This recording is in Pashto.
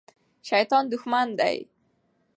شیطان دښمن دی.